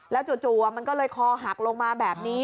จู่มันก็เลยคอหักลงมาแบบนี้